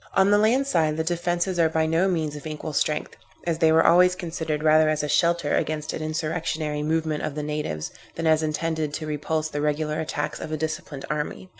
On the land side, the defences are by no means of equal strength, as they were always considered rather as a shelter against an insurrectionary movement of the natives, than as intended to repulse the regular attacks of a disciplined army.